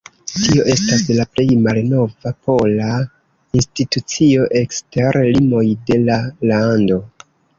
Tio estas la plej malnova pola institucio ekster limoj de la lando.